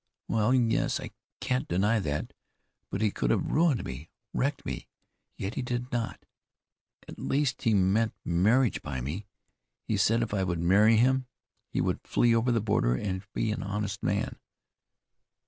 "Well, yes, I can't deny that. But he could have ruined me, wrecked me, yet he did not. At least, he meant marriage by me. He said if I would marry him he would flee over the border and be an honest man."